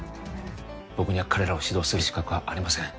僕には彼らを指導する資格はありません